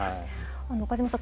岡島さん